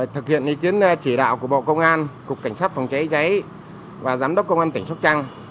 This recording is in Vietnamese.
thực hiện ý kiến chỉ đạo của bộ công an cục cảnh sát phòng cháy cháy và giám đốc công an tỉnh sóc trăng